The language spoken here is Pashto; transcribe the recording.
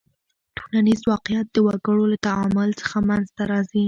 ټولنیز واقعیت د وګړو له تعامل څخه منځ ته راځي.